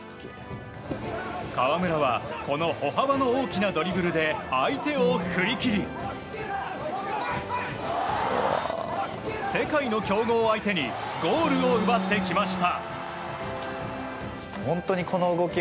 川村はこの歩幅の大きなドリブルで相手を振り切り世界の強豪相手にゴールを奪ってきました。